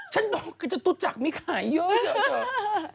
ฉันบอกว่าจะตู้จักรไม่ขายเยอะ